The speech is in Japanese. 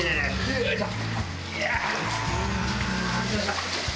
よいしょ！